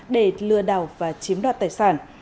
để lừa đảo và chiếm đoạt tài sản